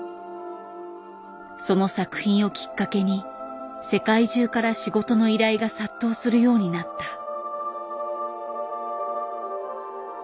その作品をきっかけに世界中から仕事の依頼が殺到するようになった。